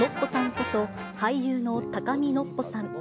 こと、俳優の高見のっぽさん。